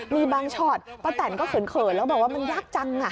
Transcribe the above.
มีบางช็อตป้าแตนก็เขินแล้วบอกว่ามันยากจัง